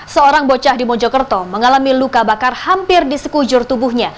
seorang bocah di mojokerto mengalami luka bakar hampir di sekujur tubuhnya